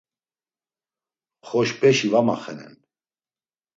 Xoşpeşi va maxenen.